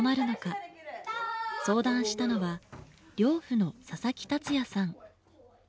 相談したのは寮父の佐々木達也さん。